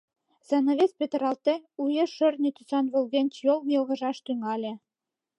Занавес петыралте, уэш шӧртньӧ тӱсан волгенче йол йылгыжаш тӱҥале.